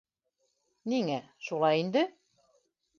Ниңә: шулай инде!